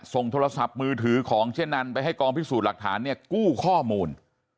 ส่งโทรศัพท์มือถือของเจ๊นันไปให้กองพิสูจน์หลักฐานเนี่ยกู้ข้อมูล